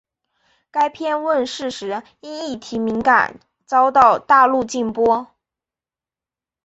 该片问世时因议题敏感遭到大陆禁播。